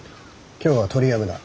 今日は取りやめだ。